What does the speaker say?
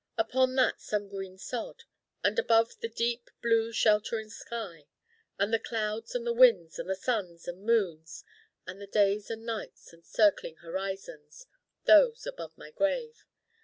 Upon that some green sod: and above, the ancient blue deep sheltering sky: and the clouds and the winds and the suns and moons, and the days and nights and circling horizons those above my grave.